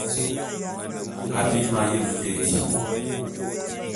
Abim m'ayem nde di.